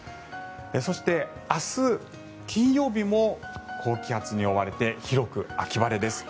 そして、明日金曜日も高気圧に覆われて広く秋晴れです。